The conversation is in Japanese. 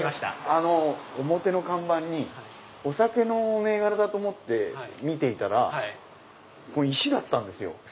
表の看板にお酒の銘柄だと思って見ていたら石だったんですよ。